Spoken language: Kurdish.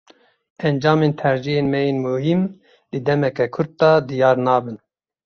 Encamên tercîhên me yên muhîm, di demeke kurt de diyar nabin.